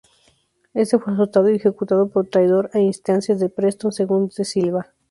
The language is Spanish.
Este fue azotado y ejecutado por traidor a instancias de Preston, según de Silva.